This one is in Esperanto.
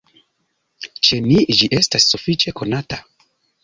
Ĉe ni ĝi estas sufiĉe konata.